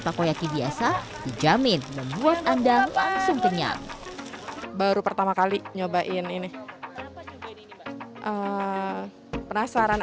takoyaki biasa dijamin membuat anda langsung kenyang baru pertama kali nyobain ini penasaran